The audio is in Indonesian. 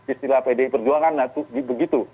istilah pd perjuangan nah begitu